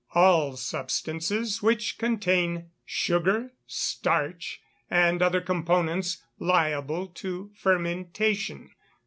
_ All substances which contain sugar, starch, and other components liable to fermentation.